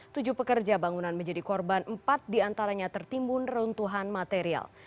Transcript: tujuh pekerja bangunan menjadi korban empat diantaranya tertimbun reruntuhan material